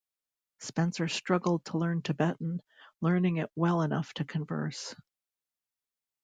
Spencer struggled to learn Tibetan, learning it well enough to converse.